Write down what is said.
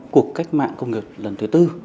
cuộc cách mạng công nghiệp lần thứ bốn